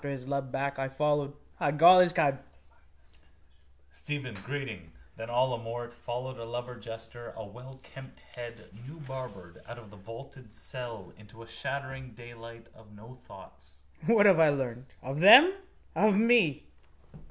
His lub back: I followed. I gall his kibe. Stephen, greeting, then all amort, followed a lubber jester, a wellkempt head, newbarbered, out of the vaulted cell into a shattering daylight of no thought. What have I learned? Of them? Of me?